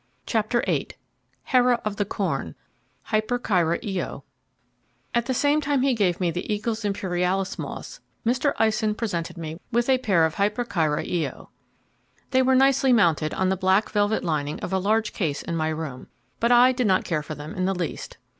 CHAPTER VIII Hera of the Corn: Hyperchira Io At the same time he gave me the Eacles Imperialis moths, Mr. Eisen presented me with a pair of Hyperchiria Io. They were nicely mounted on the black velvet lining of a large case in my room, but I did not care for them in the least.